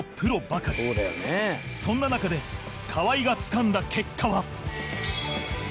そんな中で河合がつかんだ結果は